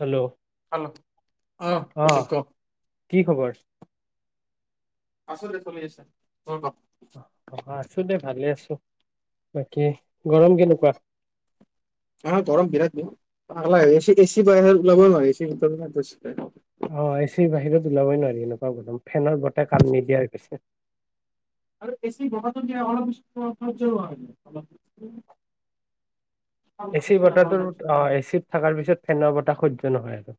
Hello hello অহ অ, কুলদীপ ক কি খবৰ? আছো দে। চলি আছ অ আছো দে, ভালে আছো। বাকী, গৰম কেনেকুৱা? অ গৰম বিৰাট দিয়ে। পাগলা হৈ গৈছি। এ চি বাহিৰত ওলাবই নোৱাৰা হৈছি। নোৱাৰে এ চ [unintelligible] অ এ চি বাহিৰত ওলাবই নোৱাৰি এনেকুৱা গৰম। ফেনৰ বতাহ কাম নিদিয়াই হৈ গৈছে। আৰু এছি বগাটো দিয় অলপ [unintelligible] এচি বতাহটো অ এচিত থকাৰ পিছত খ বতাহ সুধ্য তে নহয়টো।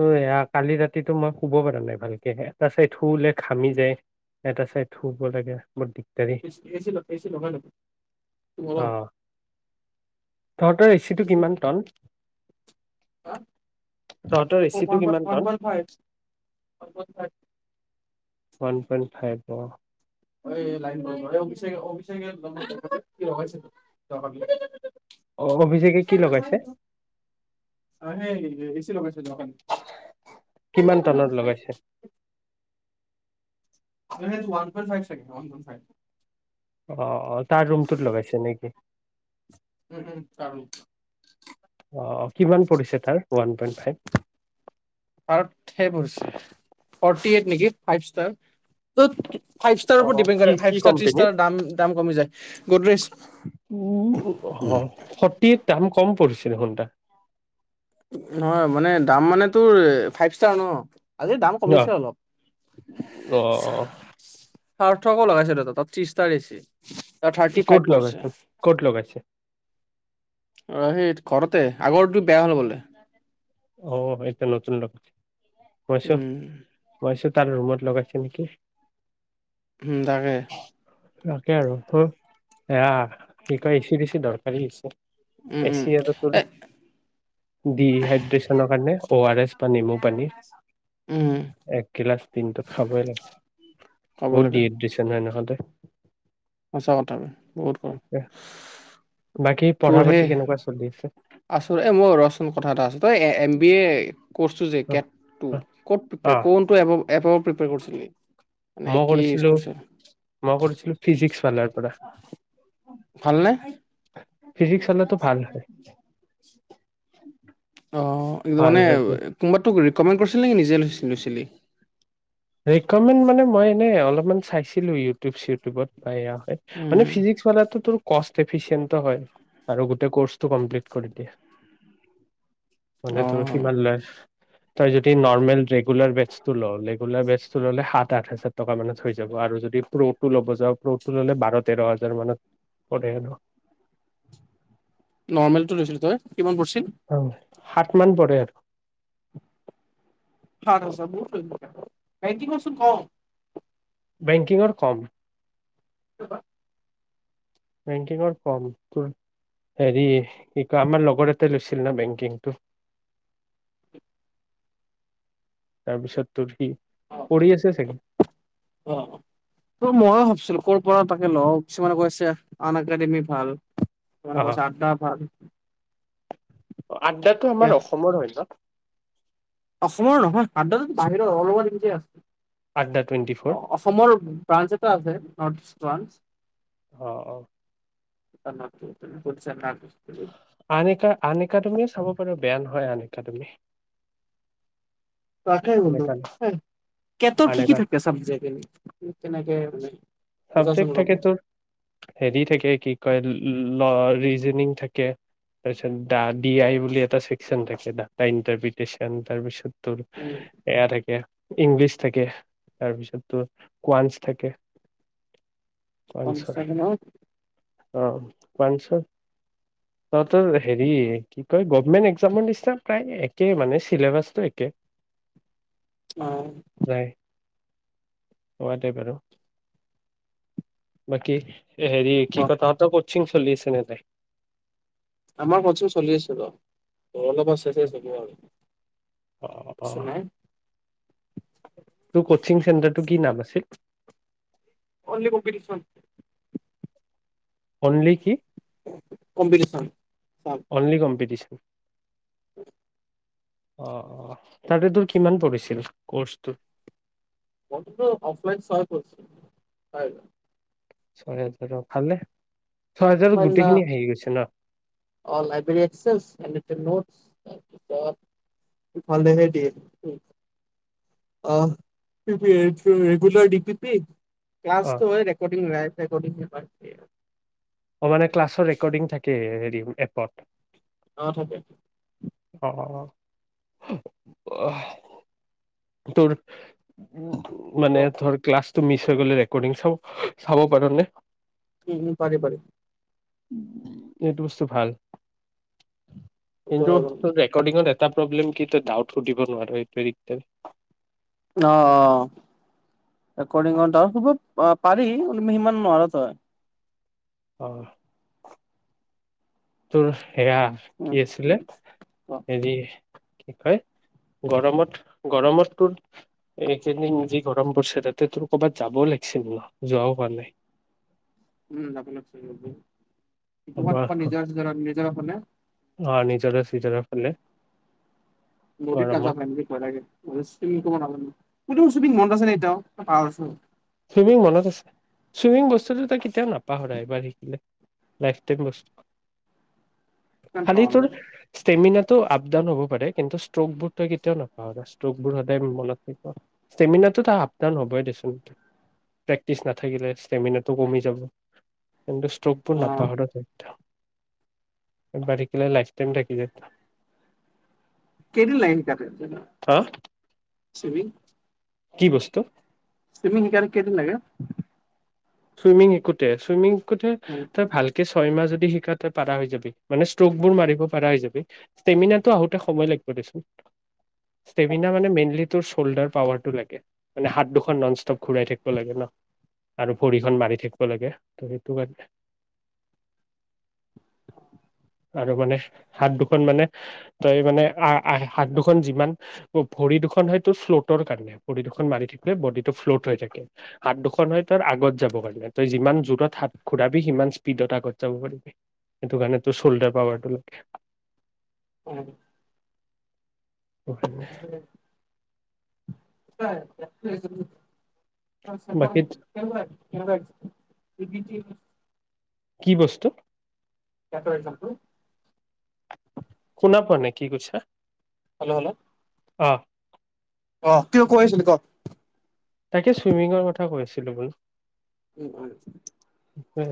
অ হেয়া কালি ৰাত ৰাতিটো মই শুব পৰা নাই ভালকে। এটা চাইড শুলে ঘামি যায়। এটা চাইদ শুব লাগে [unintelligible] এ-এ-এচি এচি লগাই লম অ ঘৰত। তহঁতৰ এচিটো কিমান টন? অ তহঁতৰ অ এচিটো অংগত কিমান ton one point five, one point five. One point five, অ। এই লাইন গল অ অভিষেকে অভিষেকে [unintelligible] অ অভিষেকে কি লগাইছে সেই গেইছিলো গেইছিলো কিমান টনত লগাইছে ন ৱান পইন্ট ফাইভ চাগে ৱান পইন্ট ফাইভ অ অ তাৰ ৰুমটোত লগাইছে নেকি উম উম তাৰো অ কিমান পৰিছে তাৰ ওৱান পইণ্ট ফাইভ অলপ ঠেক হৈছে ফৰ্টি এইট নেকি ফাইভ ষ্টাৰ ত ফাইভ ষ্টাৰৰ ওপৰত অ ডিপেণ্ড কি কৰে কি ফাইভ ষ্টাৰ ত্ৰিছটা কোম্পেনীৰ দাম কমি যায় গুডৰেছ উম অ সতি দাম কম পৰিছিল সোনটা নহয় মানে দাম মানে তোৰ ফাইভ ষ্টাৰ ন আজি দাম কমিছে অলপ অ অ সাৰ্থকো লগাইছে দাদা তাত ত্ৰিছষ্টাৰ গেইছে। ক'ত লগ গাইছে ক'ত লগাইছে অ সেই ঘৰতে আগৰটো বেয়া হল বোলে অ এতিয়া নতুন লগ গৈছো উম গৈছো তাৰ ৰুমত লগাইছে নেকি। উম তাকে। তাকে আৰু হ এয়া কি কয় এচি বেছি দৰকাৰী হৈছে। উম উম এচি এটা তোৰ এ ডিহাইড্ৰেচন অ আৰ এছ বা নেমু পানী উম এক গিলাচ দিনটোত খাবই লাগে ক'ব বহুত লাগে ডিহাইড্ৰেচন তহতে সঁচা কথাবোৰ বহুত কৰ বাকী পঢ়া তোৰ পাতি হেই কেনেকুৱা চলি আছে আছ এ মই ৰচোন কথা এটা আছো তই এ বি য়ে কৰছো যে অ কেটো অ অ ক'ত কোনটো এবাৰ এপ প্ৰিপেয়াৰ কৰিছিলে মই কৰিছিলোঁ মই কৰিছিলোঁ ফিজিক্স ফালৰ পৰা ভালনে ফিজিক্স ফালৰটো ভাল হয় আহ ভাল মানে হয়টো কোনোবাত তোক ৰিকমেণ্ড কৰিছিল নেকি নিজে লৈছিল লৈছিলি এক কমে মানে মই এনে অলপমান চাইছিলোঁ ইউটিউব চিউটিউবত হয় মানে উম ফিজিক্সালাতটো তোৰ কষ্ট ফিচিয়ে হয় আৰু গোটেই কৰ্চটো কমপ্লিট কৰি দিয়ে মানে অ তোৰ কিবা লাৰ্জ তই যদি নৰ্মেল ৰেগুলাৰ বেচ টো ল ৰোলাৰ বেছ টো ললে সাত আঠ হাজাৰ টকা মানত হৈ যাব, আৰু যদি প্ৰব টো ল'ব যাও প্ৰবটো ললে বাৰ তেৰ হাজাৰ মানত ন নৰ্মেলতটো লৈছিলো তই কিমান পৰ্চি [unintelligible] সাত মান পৰে আৰু হাত হজৰত টো কৰিব পাৰিব নাইন্তি পাৰ্চেন্ত কম বেংকিংৰ কম [unintelligible] বেংকিঙৰ কম, তোৰ হেৰি কি কয় আমাৰ লগৰ এটাই লৈছিল ন বেংকিংটো। তাৰপিছত তোৰ সি অ পঢ়ি আছে চাগে তই মইো ভাবছিলো [unintelligible] ক'ৰ পৰা তাকে লওঁ কিছুমানে কৈছে আন একাডেমি ভাল কিছুমানে অ কৈছে আড্ডা ভাল আড্ডাটো এতিয়া আমাৰ অসমৰ হয় ন অসমৰ নহয় সাদ্ৰো বাহিৰত অলপমান একে আছে আড্ডা টুৱেণ্টি ফ'ৰ [unintelligible] অসমৰ ব্ৰাঞ্চ এটা আছে নৰ্থ ইষ্ট ব্ৰাঞ্চ আহ অহ চ [unintelligible] আনিকা আনিকা তুমি চাব পাৰা বেয়া নহয় হয় আনেকা তুমি তাকে বলো কেটৰ আন কি কি একা থাকে চাবজেক এনে? কেনেকে মানে চাবজেক্ট বুজাচোন থাকে লগ তোৰ ন ৰিজনিং থাকে, তাৰপিছত ডা ডি আই বুলি এটা ছেকচন থাকে ডাতা ইন্টাৰভিউ চেকচন তাৰপিছত উম, এয়া থাকে ইংলিছ থাকে তাৰপিছতো কোৱানছ থাকে কোৱানছৰ পঞ্চাক ন [unintelligible] প ছ [unintelligible] তহঁতৰ হেৰি কি কয় গভমেণ্ট একজামৰ নিচনা প্ৰায় একে মানে চিলেবাছটো একে আহ প্ৰায় হোৱা টাইপ আৰু বাকী হেৰি কি অ' কয় তহঁত ক চলিছেনেনোই [unintelligible] আমাৰ প্ৰচুৰ চলি আছে ৰ ত অলপ আছেগে চাগে আৰু। অ অ বেছি নাই তোৰ কোচিং চেণ্টাৰটো কি নাম আছিল? অনলি কম্পিতিছন অনলি কি? কম্পিটিচন অনলি কম্পিটিচন [unintelligible] অ অ তাতে তোৰ কিমান পৰিছিল কৰ্চটোত? মো অফলাইন শেয়াৰ কৰিছো হয়। ছয়াজাৰ ভালনে? লাইব্ৰেৰী এক্সচাঞ্চ ভালে সেই ড অ' ৰেগুলাৰ ড পি পি অ ক্লছটো হয় ৰেকৰ্ডিং ৰা ৰেকৰ্ডিং [inaudible] অ' মানে ক্লাছৰ ৰেকৰ্ডিং থাকে হেৰি এপত? অ' থাকে। অ' তোৰ উ মানে অ', ধৰ ক্লাছ ত মিছ হৈ গ'লে ৰেকৰ্ডিং চাব চাব পাৰ নে? উম উম পাৰে পাৰে। এইটো বুস্তু ভাল। সেইটো কিন্তু হয় বাৰু। ত ৰেকৰ্ডিঙত এটা প্ৰব্লেম কি ডাউট সুধিব নোৱাৰ এইটোৱেই দিগদাৰ। আহ আহ। ৰেকৰ্ডিংত দৌত হব অ' পাৰি ইমান সিমান নোৱাৰ তই। অ'। তোৰ হেয়া উম কি আছিলে এজ কি কয় গৰমত গৰমত তোৰ এইকেইদিন যি গৰম পৰিছে তাতে তোৰ ক'বাত যাবও লাগিছিল ন যোৱাও হোৱা নাই। উম ডাপ [unintelligible] তোমাৰ ক'ৰবাত নিজৰা চিজৰা জাব পাৰো নে? অ' নিজৰে চিজৰে ফালে। বদিত গৰমত নাজাবা সেইদিনা [unintelligible] [unintelligible] তুমি মনত আছে নি তেওঁ [inaudible] চুইমিং মনত আছে চুইমিং বস্তুটো তই কেতিয়াও নাপাহৰা এইবাৰ শিকিলে লাইফ টাইম বস্তু। কিমান খালি পাহৰা তোৰ মই ষ্টেমিনা টো আপ ডাউন হ'ব পাৰে কিন্তু ষ্ট্ৰক বোৰ তই কেতিয়াও নাপাও ষ্ট্ৰক বোৰ সদায় মনত থ পা ষ্টেমিনা টো আপ ডাউন হ'বই দেচোন। প্ৰেক্টিচ নাথাকিলে ষ্টেমিনাটো কমি যাব। কিন্তু অ ষ্ট্ৰকবোৰ নাপাহৰ তই। এবাৰ শিকিলে লাইষ্ট টাইম থাকি যায়। কেইদিন লাগে শিকাতে? হা ছুইমিং কি বস্তু তুমি শিকালে কেইদিন লাগে ছুইমিং শিকোটে ছুইমিং তই ভালকে ছয় মাহ যদি শিকা তই পাৰা হৈ যাবি মানে ষ্ট্ৰকবোৰ মাৰিব পাৰা হৈ যাবি ষ্টেমিনাটো আহোতে সময় লাগিব দেচোন ষ্টেমিনা মানে মেইনলি তোৰ চল্লডাৰ পাৱাৰ তো লাগে মানে হাত দুখন ননইচতপ ঘোঁৰাই থাকিব লাগে ন আৰু ভৰিখন মাৰি থাকিব লাগে ত সেইটো কাৰণে আৰু মানে হাত দুখন মানে তই মানে হাত দুখন যিমান ভৰি দুখন হয়তো ফ্ল'টৰ কাৰণে ভৰি দুখন মাৰি থাকিলে বডি টো ফ্লট হৈ থাকে হাত দুখন হয় ত আগত যাব পাৰি তই যিমান জোৰত হাত ঘুৰাবি সিমান স্পীডত আগত যাব পাৰিবি সেইটো কাৰণে তোৰ চল্ডাৰ পাৱাৰটো লাগে উ অখনেই [unintelligible] অ চন্দন বাকী কেনেকোৱা হৈছে কি বস্তু [unintelligible] শুনা পোৱা নাই কি কইছা হেল্ল' হল অ অহ কিয় কৈ আছিল ক তাকে ছুইমিঙৰ কথা কৈ আছিলো বোল উম উম উ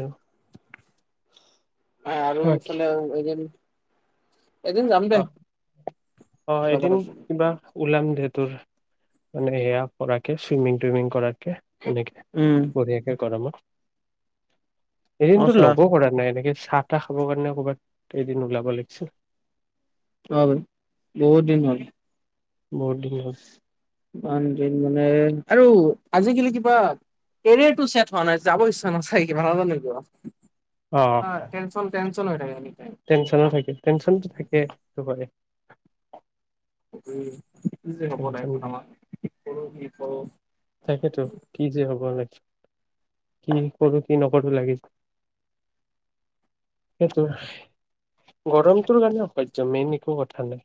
আহ আৰু ফালে এইজন অ অ ফুৰাব এদিন লাগব। ওলাম দে উ মানে সেয়া কৰাকে ছুইমিং টুইমিং কৰাকে তাকে এনেকে উম পৰি আছে গৰমত এদিনতো সঁচা ল'গ কৰা নাই এনেকে চাহ তাহ খাবৰ কাৰণে ক'ৰবাত এদিন ওলাব লাগিছিল হয় বহুত দিন হ'ল বহুত দিন হ'ল ইমান দিন মানে আৰু আজিকালি কিবা কেৰিয়াৰটো চেট হোৱা নাই যাব ইচ্ছা নাযাই কিবা নাজানো কিয় অ টেনশ্যন টেন উজ্বল হৈ থাকে টাইম টেনশ্যনো থাকে টেনশ্যনটো থাকেই চবতে উম কি হ'ব লাইভটোত থাকে আমা চল কি হ [unintelligible] তাকেতো কি যে হ'ব লাইফ কি কৰো কি নকৰো লাগি সেইটো গৰমটোৰ কাৰণে অসহ্য মেইন একো কথা নাই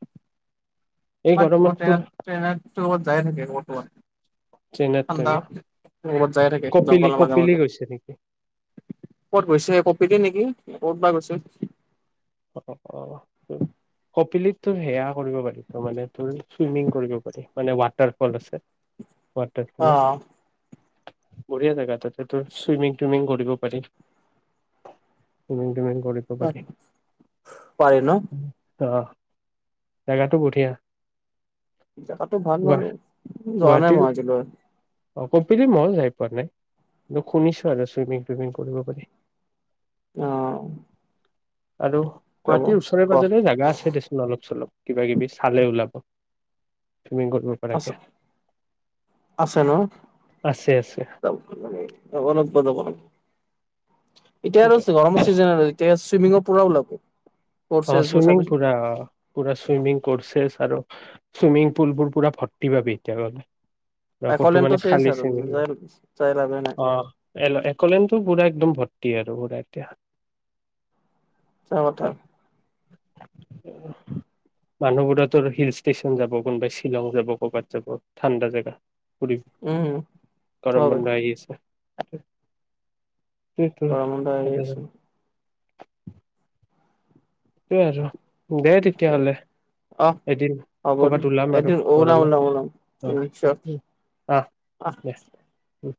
এই গৰমত তোৰ মট্ৰনত ট্ৰেইন'বাত যায় থাকে ক'ৰবাত চেইনাত ক'ৰবাত তই ন ঠাণ্ডা ৰত যায় থাকে কপিলি জংঘলৰ মাজে কপিলি মাজে গৈছে নেকি কত গৈছে কপিত নেকি ক'ত বা গৈছে। অ অ কপিলিত তোৰ সেয়া কৰিব পাৰি তোৰ মানে তোৰ চুইমিং কৰিব পাৰি মানে ৱাটাৰফল আছে। অ ৱাটাৰফুল বঢ়িয়া জেগা তাতে তোৰ চুইমিং টুইমিং কৰিব পাৰি চুইিংটুমিং। কৰিব পাৰি। পাৰে ন? জাগাটো বহিয়া। জাগাটো ভাল বাৰু যোৱা নাই মই আজলৈ। অ কপিলি মইও যাই পোৱা নাই। কিন্তু শুনিছো আৰু চুইমিং তুইমিং কৰিব পাৰি। আহ। আৰু গুৱাহাটীৰ ওচৰে পাজৰে জাগা আছে দেচোন অলপ চলপ কিবা কিবি চালে ওলাব। চুইমিং কৰিব পৰাকে আছে আছে ন আছে আছে [unintelligible] এতিয়া আৰু আছে গৰমৰ চিজন আৰু এতিয়া চুইমিঙৰ পুৰা ওলাব। অ কৰ্চেছবোৰ চুইমিং চাবি পুৰা অ পুৰা চুইমিং কৰিছ [unintelligible] আৰু চুইমিং পুল বোৰ পুৰা ভৰ্তি পাবি এতিয়া গলে। অ কতো একলেণ্ডটো মানে চেচ আৰু খালিছে যাই যাই লাভে নাই অ এক'লেণ্ড তু পুৰা একদম ভৰ্তি। [unintelligible] সচা কথা। মানুহবোৰতৰ হিল ষ্টেচন যাব, কোনোবাই শ্বিলং যাব, ক'ৰবাত যাব ঠাণ্ডা জেগা। কৰিম উম গৰম হয় বন্ধ আহি আছে। সেইটোৱে গৰম বন্ধ আহি আছে। সেইটোৱে কি আৰু দে তেতিয়াহ'লে আহ এদিন হ'ব দ কৰ'বাত ওলাম আৰু এদিন ওল গৰমত ওলাম ওলাম অ নি নিশ্চয় অ। উ।